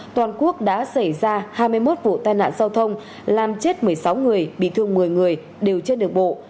toàn quốc đã xảy ra hai mươi một vụ tai nạn giao thông làm chết một mươi sáu người bị thương một mươi người đều trên đường bộ